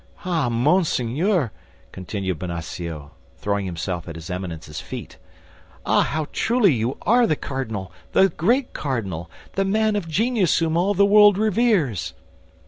Ah, monseigneur!" continued Bonacieux, throwing himself at his Eminence's feet, "ah, how truly you are the cardinal, the great cardinal, the man of genius whom all the world reveres!"